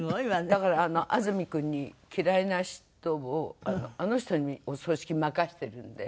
だから安住君に嫌いな人をあの人にお葬式任せてるんで。